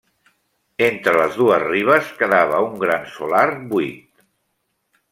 Entre les dues ribes quedava un gran solar buit.